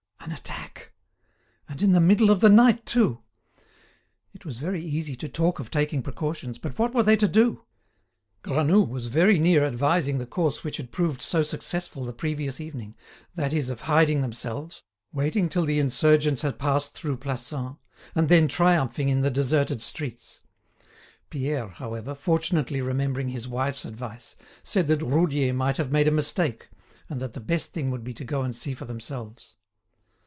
An attack! And in the middle of the night too! It was very easy to talk of taking precautions, but what were they to do? Granoux was very near advising the course which had proved so successful the previous evening: that is of hiding themselves, waiting till the insurgents has passed through Plassans, and then triumphing in the deserted streets. Pierre, however, fortunately remembering his wife's advice, said that Roudier might have made a mistake, and that the best thing would be to go and see for themselves.